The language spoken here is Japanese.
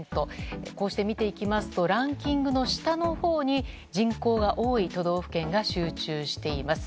こうして見ていきますとランキングの下のほうに人口が多い都道府県が集中しています。